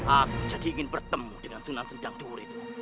aku jadi ingin bertemu dengan sunan sedang duhur itu